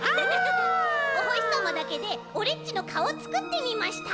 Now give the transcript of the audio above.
おほしさまだけでオレっちのかおをつくってみました。